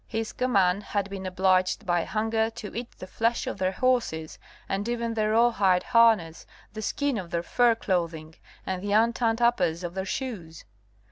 His command had been obliged by hunger to eat the flesh of their horses and even the rawhide harness, the skin of their fur clothing and the untanned uppers of their shoes.